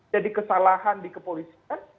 jadi kesalahan dikepolisikan